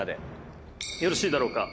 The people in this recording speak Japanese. よろしいだろうか。